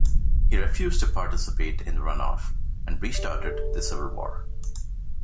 He refused to participate in the runoff, and restarted the civil war.